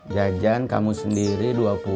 jajan kamu sendiri dua puluh